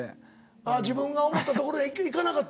ああ自分が思った所へ行かなかった。